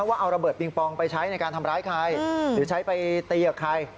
ว่าเอาระเบิดปิงปองไปใช้ในการทำร้ายใครหรือใช้ไปตีกับใคร